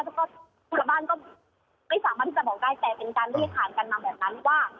แล้วก็คนละบ้านก็ไม่สามารถที่จะบอกได้แต่เป็นการเรียกผ่านกันมาแบบนั้นว่า